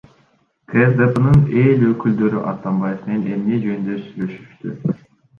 КСДПнын эл өкүлдөрү Атамбаев менен эмне жөнүндө сүйлөшүштү?